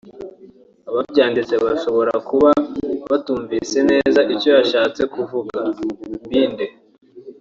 Ababyanditse bashobora kuba batumvise neza icyo yashatse kuvuga [Mbidde]